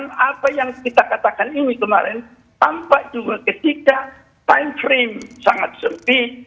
dan apa yang kita katakan ini kemarin tampak juga ketika time frame sangat sempit